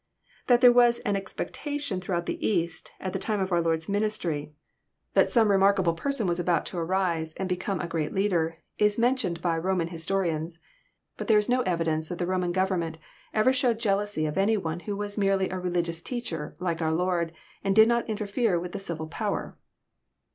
That there was an expectation throughout the East, at the time of our Lord's ministiry, that some remarkable person was JOHN, CHAP. XI. 297 abont to arise, and become a great leader, is mentioned by Roman historians. Bat tliere is no evidence that the Roman government ever showed jealousy of any one who was merely a religions teacher, like our Lord, and did not interfere with the civil power.